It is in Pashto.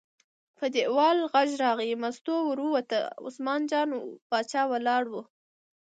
په دیوال غږ راغی، مستو ور ووته، عثمان جان باچا ولاړ و.